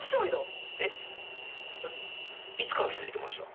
えっいつから気付いてました？